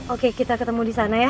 oke kita ketemu di sana ya